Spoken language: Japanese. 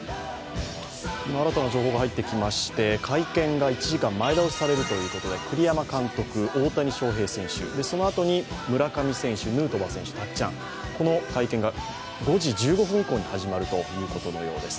今新たな情報が入ってきまして、会見が１時間前倒しされるということで、栗山監督、大谷翔平選手、そのあとに村上選手、ヌートバー選手、たっちゃん、この会見が５時１５分以降に始まるということのようです。